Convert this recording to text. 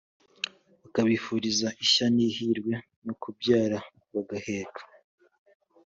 bakabifuriza ishya n ihirwe no kubyara bagaheka.